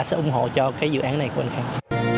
sẽ ủng hộ cho cái dự án này của anh không